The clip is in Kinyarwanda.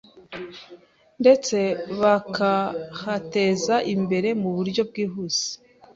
ndetse bakahateza imbere muburyo bwihuse.